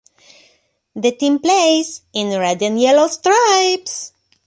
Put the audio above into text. The team plays in red and yellow stripes.